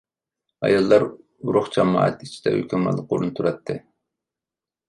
ئاياللار ئۇرۇق-جامائەت ئىچىدە ھۆكۈمرانلىق ئورۇندا تۇراتتى.